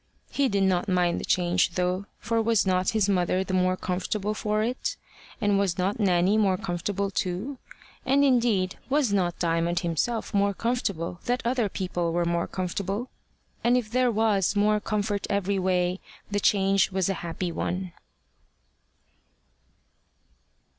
He did not mind the change though, for was not his mother the more comfortable for it? And was not Nanny more comfortable too? And indeed was not Diamond himself more comfortable that other people were more comfortable? And if there was more comfort every way, the change was a happy one.